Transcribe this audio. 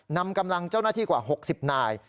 นำกำลังเจ้าหน้าที่กว่า๖๐นาย